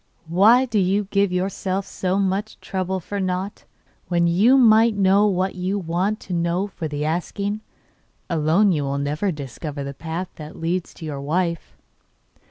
'Why do you give yourself so much trouble for nought, when you might know what you want to know for the asking? Alone you will never discover the path that leads to your wife.